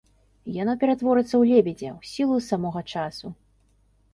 Яно ператворыцца ў лебедзя ў сілу самога часу.